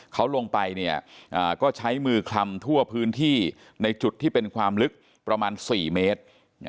เขาลงไปเนี่ยก็ใช้มือคลำทั่วพื้นที่ในจุดที่เป็นความลึกประมาณ๔เมตร